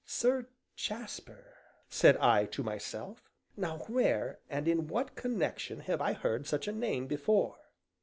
"Sir Jasper?" said I to myself, "now where, and in what connection, have I heard such a name before?"